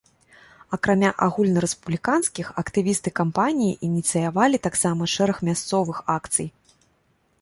Акрамя агульнарэспубліканскіх, актывісты кампаніі ініцыявалі таксама шэраг мясцовых акцый.